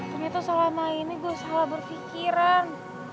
gue tuh selama ini gue salah berpikiran